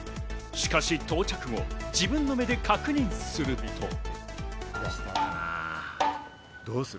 しかし到着後、自分の目で確認すると。